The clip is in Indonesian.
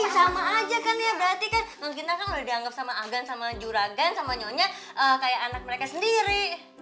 sama aja kan ya berarti kan mas gina kan udah dianggap sama agen sama juragan sama nyonya kayak anak mereka sendiri